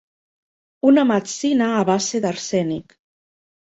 Una metzina a base d'arsènic.